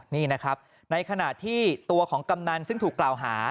นี่นะครับในขณะที่ตัวของกำนันซึ่งถูกกล่าวหา